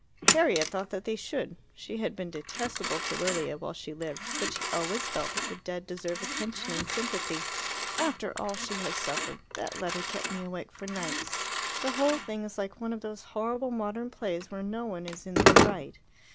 Harriet thought that they should. She had been detestable to Lilia while she lived, but she always felt that the dead deserve attention and sympathy. "After all she has suffered. That letter kept me awake for nights. The whole thing is like one of those horrible modern plays where no one is in 'the right.